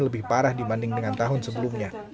lebih parah dibanding dengan tahun sebelumnya